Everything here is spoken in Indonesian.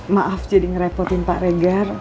maaf jadi ngerepotin pak regar